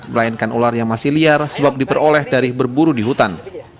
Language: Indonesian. melainkan ular yang masih liar sebab diperoleh dari berburu di hutan